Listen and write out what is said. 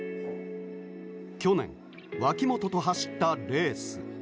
去年、脇本と走ったレース。